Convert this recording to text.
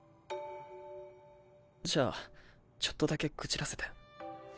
じゃあちょっとだけ愚痴らせて。